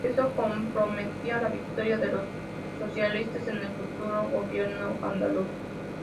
Esto comprometía la victoria de los socialistas en el futuro gobierno andaluz.